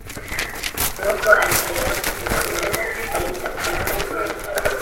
inkoko ayihera mu maguru ....ayitapfuna yitonze